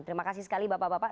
terima kasih sekali bapak bapak